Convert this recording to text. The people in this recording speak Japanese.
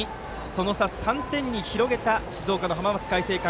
その差、３点に広げた静岡の浜松開誠館。